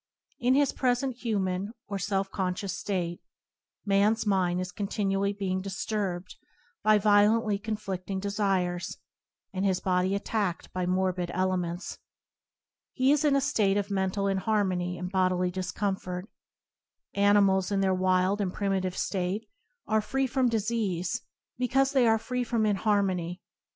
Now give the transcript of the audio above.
In his present human or self conscious state, man's mind is con tinually being disturbed by violently con flicting desires, and his body attacked by morbid elements. He is in a state of men tal inharmony and bodily discomfort. Ani mals in their wild and primitive state are free from disease because they are free from inharmony.